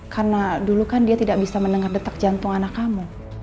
karena dulu kan dia tidak bisa mendengar detak jantung anak kamu